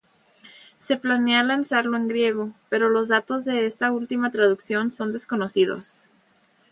Se planea lanzarlo en Griego, pero los datos de esta última traducción son desconocidos.